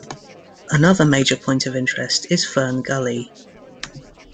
Another major point of interest is Fern Gully.